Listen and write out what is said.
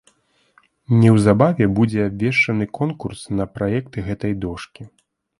Неўзабаве будзе абвешчаны конкурс на праект гэтай дошкі.